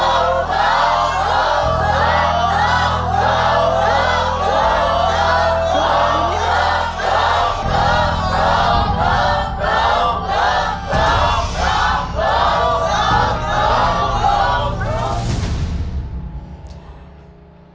สำเร็จ